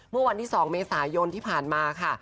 เมื่อวันที่๒เมษายนที่ผ่านมาค่ะ